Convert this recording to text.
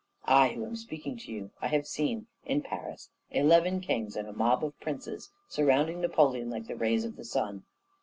I who am speaking to you, I have seen, in Paris, eleven kings and a mob of princes surrounding Napoleon like the rays of the sun.